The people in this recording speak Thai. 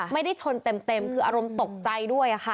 ไม่ได้ชนเต็มคืออารมณ์ตกใจด้วยค่ะ